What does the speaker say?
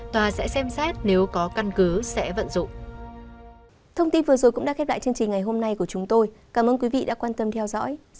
tòa sẽ xem xét nếu có căn cứ sẽ vận dụng